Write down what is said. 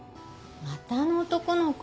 またあの男の子？